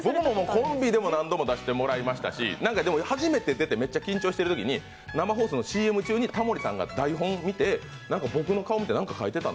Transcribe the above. コンビでも何度も出させてもらいましたし初めて出てめっちゃ緊張しているときに、生放送のＣＭ中に、タモリさんが台本を見て、何か僕の顔みて何か描いてた。